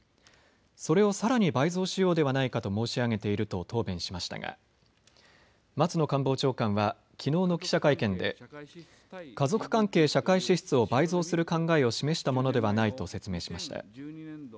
それをさらに倍増しようではないかと申し上げていると答弁しましたが松野官房長官はきのうの記者会見で家族関係社会支出を倍増する考えを示したものではないと説明しました。